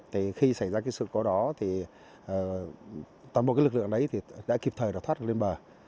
thì khi xảy ra cái sự cố đó thì toàn bộ cái lực lượng đấy thì đã kịp thời đã thoát lên bờ